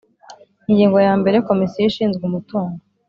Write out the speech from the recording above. Ingingo ya mbere Komisiyo ishinzwe umutungo